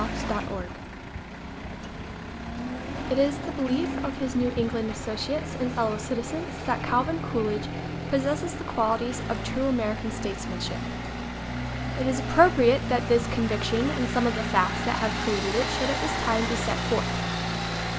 OCT 1 1A753223 T is the belief of his New England associates and fellow citizens that Calvin Coolidge possesses the qualities of true American statesmanship . It is appropriate that this conviction and some of the facts that have created it should at this time be set forth.